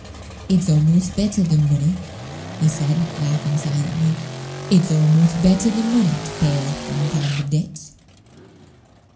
It's almost better than money," he said, laughing silently "it's almost better than money to pay off them kind of debts."